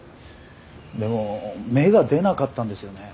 でも芽が出なかったんですよね？